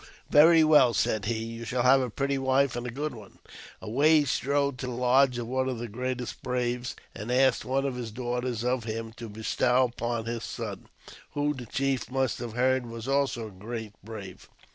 " Very well," said he, *' you shall have a pretty wife and a good one." Away he strode to the lodge of one of the greatest braves, and asked one of his daughters of him to bestow upon his son, who the chief must have heard was also a great brave.